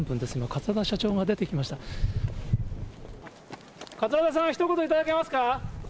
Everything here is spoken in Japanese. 桂田さん、ひと言、頂けますか。